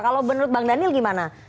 kalau menurut bang daniel gimana